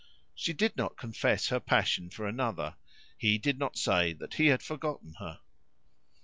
She did not confess her passion for another; he did not say that he had forgotten her.